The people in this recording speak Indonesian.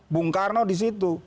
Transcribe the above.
bung karno di situ